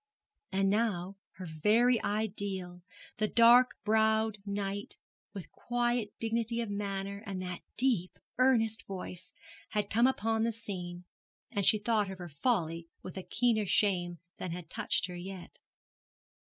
And now her very ideal the dark browed knight, with quiet dignity of manner, and that deep, earnest voice had come upon the scene; and she thought of her folly with a keener shame than had touched her yet.